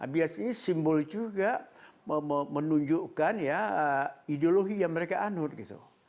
biasanya simbol juga menunjukkan ya ideologi yang mereka anut gitu